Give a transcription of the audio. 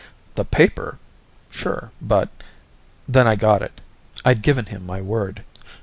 "The paper? Sure, but " Then I got it. I'd given him my word.